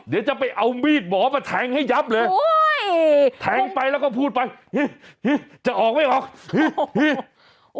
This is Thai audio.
เดี๋ยวจะไปเอามีดหมอมาแทงให้ยับเลยแทงไปแล้วก็พูดไปจะออกไม่ออก